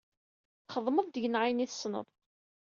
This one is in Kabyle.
Txedmeḍ deg-neɣ ayen i tessneḍ.